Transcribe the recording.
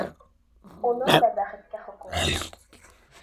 Уның да бәхеткә хоҡуғы бар.